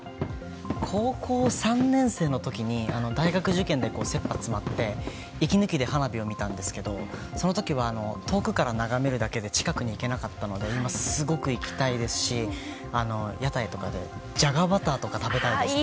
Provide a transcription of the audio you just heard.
高校３年生の時に大学受験で切羽詰まって息抜きで花火を見たんですけどその時は遠くから眺めるだけで近くに行けなかったので今、すごく行きたいですし屋台とかでじゃがバターとか食べたいですね。